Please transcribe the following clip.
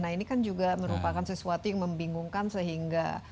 nah ini kan juga merupakan sesuatu yang membingungkan sehingga